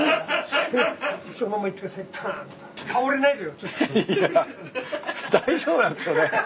いや大丈夫なんすよね？